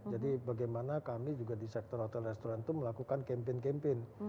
jadi bagaimana kami juga di sektor hotel restaurant itu melakukan kempen kempen